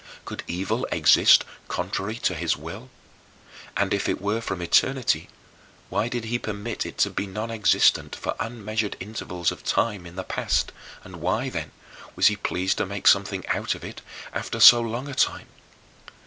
Could evil exist contrary to his will? And if it were from eternity, why did he permit it to be nonexistent for unmeasured intervals of time in the past, and why, then, was he pleased to make something out of it after so long a time?